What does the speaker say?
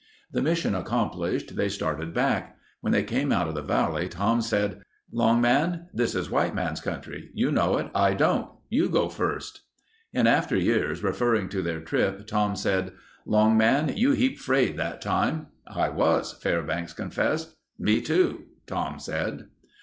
The mission accomplished, they started back. When they came out of the valley Tom said, "Long Man, this is white man's country. You know it. I don't. You go first." In after years, referring to their trip, Tom said, "Long Man, you heap 'fraid that time." "I was," Fairbanks confessed. "Me too," Tom said.